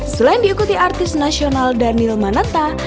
selain diikuti artis nasional daniel manata